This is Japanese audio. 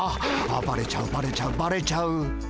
ああバレちゃうバレちゃうバレちゃう。